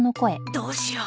どうしよう。